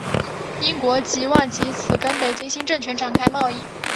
英国冀望藉此跟北京新政权展开贸易。